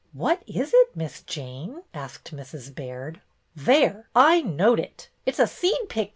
"What is it. Miss Jane?" asked Mrs. Baird. " There, I knowed it I It 's a seed picter.